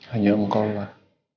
hanya engkau lah